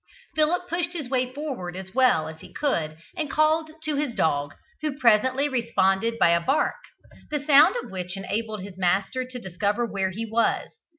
Philip pushed his way forward as well as he could, and called to his dog, who presently responded by a bark, the sound of which enabled his master to discover where he was.